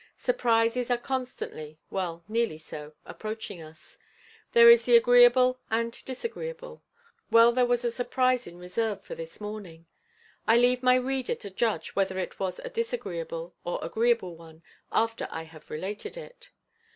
Surprises are constantly—well nearly so—approaching us. There is the agreeable and disagreeable. Well there was a surprise in reserve for this morning. I leave my reader to judge whether it was a disagreeable or agreeable one after I have related it.